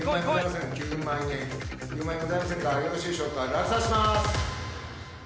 落札します。